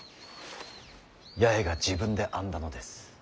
八重が自分で編んだのです。